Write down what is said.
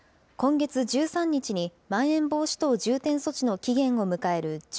今月１３日に、まん延防止等重点措置の期限を迎える１３